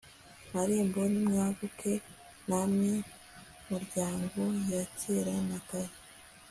marembo, nimwaguke, namwe miryango ya kera na kare